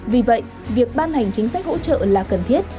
vì vậy việc ban hành chính sách hỗ trợ là cần thiết